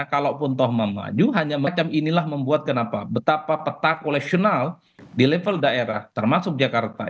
kalau pun toh memaju hanya macam inilah membuat betapa peta koleksional di level daerah termasuk jakarta